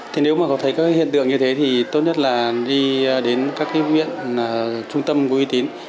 thì nếu mà có thấy các hiện tượng như thế thì tốt nhất là đi đến các cái huyện trung tâm quý tín